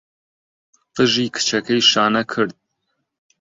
قژی کچەکەی شانە کرد.